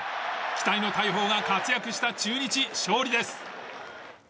期待の大砲が活躍した中日勝利です！